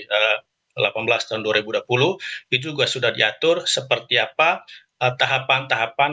delapan belas tahun dua ribu dua puluh itu juga sudah diatur seperti apa tahapan tahapan